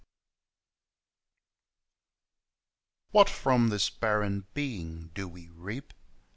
XCIII. What from this barren being do we reap?